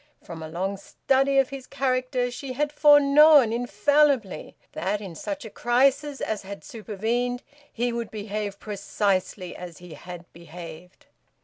From a long study of his character she had foreknown infallibly that in such a crisis as had supervened he would behave precisely as he had behaved.